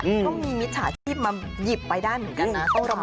ต้องมีมิตรชาชิบมาหยิบไปด้านหนึ่งกันนะครับ